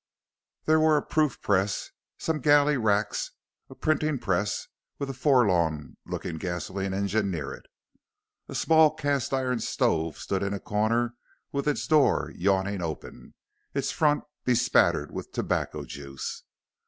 There were a proof press, some galley racks, a printing press, with a forlorn looking gasolene engine near it. A small cast iron stove stood in a corner with its door yawning open, its front bespattered with tobacco juice.